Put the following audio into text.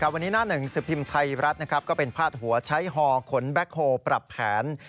วันนี้หน้าหนึ่งสิบพิมพ์ไทยรัฐก็เป็นพาดหัวใช้ฮอขนแบ็คโฮลปรับแผน